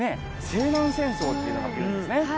西南戦争っていうのが起きるんですね。